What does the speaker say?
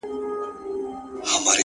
د کندهار ماځيگره ـ ستا خبر نه راځي ـ